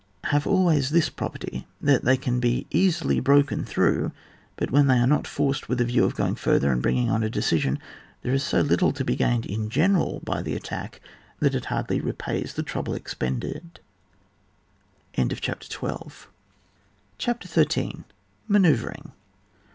have always this property, that they can be easily broken through ; but when they are not forced with a view of going further and bringing on a decision, there is so little to be gained in general by the attack, that it hardly repays the trouble expended. CHAPTER XIII. MANOEUVRING.